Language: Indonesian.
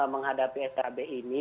menghadapi skb ini